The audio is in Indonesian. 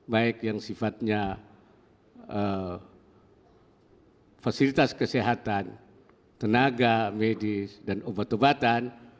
baik yang sifatnya fasilitas kesehatan tenaga medis dan obat obatan